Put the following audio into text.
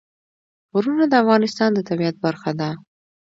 غرونه د افغانستان د طبیعت برخه ده.